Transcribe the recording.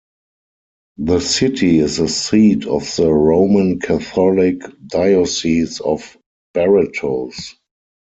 The city is the seat of the Roman Catholic Diocese of Barretos.